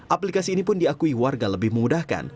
aplikasi ini pun diakui warga lebih memudahkan